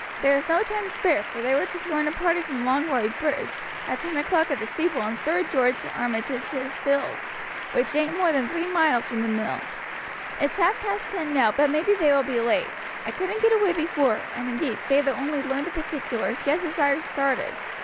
There is no time to spare, for they were to join a party from Longroyd Bridge, at ten o'clock at the steeple in Sir George Armitage's fields, which ain't more than three miles from the mill. It's half past ten now, but maybe they will be late. I couldn't get away before, and indeed feyther only learned the particulars just as I started.